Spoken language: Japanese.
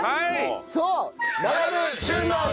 そう。